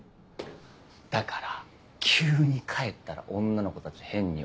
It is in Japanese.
・だから急に帰ったら女の子たち変に思うだろ。